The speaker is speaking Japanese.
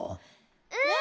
うん。